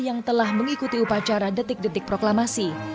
yang telah mengikuti upacara detik detik proklamasi